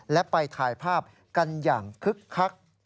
และไปถ่ายภาพกันอย่างคึกคัก